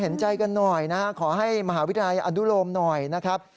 เห็นใจกันหน่อยนะฮะขอให้มหาวิทยาลัยอนุโลมหน่อยนะครับ